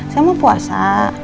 saya mau puasa